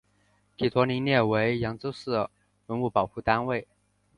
祗陀林列为扬州市文物保护单位。